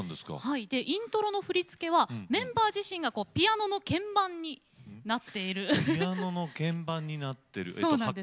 イントロの振り付けはメンバー全員がピアノの鍵盤になっているんだそうです。